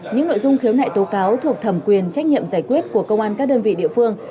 những nội dung khiếu nại tố cáo thuộc thẩm quyền trách nhiệm giải quyết của công an các đơn vị địa phương